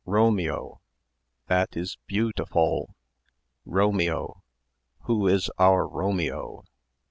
Romeo! That is beautifoll. Romeo! Who is our Romeo?"